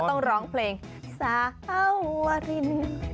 ต้องร้องเพลงสาววาริน